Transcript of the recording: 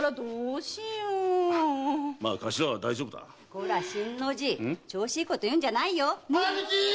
こら新の字調子いいこと言うんじゃないよ。